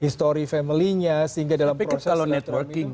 sehingga dalam proses